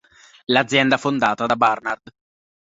L'azienda fondata da Barnard